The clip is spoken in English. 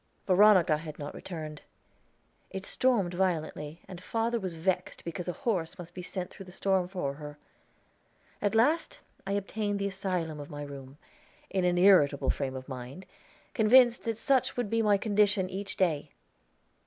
Veronica had not returned. It stormed violently, and father was vexed because a horse must be sent through the storm for her. At last I obtained the asylum of my room, in an irritable frame of mind, convinced that such would be my condition each day.